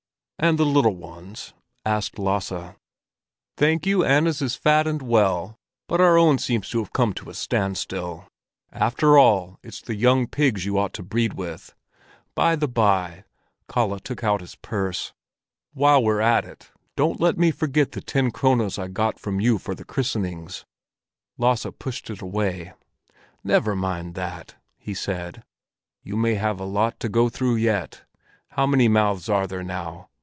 "And the little ones?" asked Lasse. "Thank you, Anna's is fat and well, but our own seems to have come to a standstill. After all, it's the young pigs you ought to breed with. By the bye"—Kalle took out his purse—"while we're at it, don't let me forget the ten krones I got from you for the christenings." Lasse pushed it away. "Never mind that," he said. "You may have a lot to go through yet. How many mouths are there now?